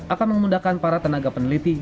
akan memudahkan para tenaga peneliti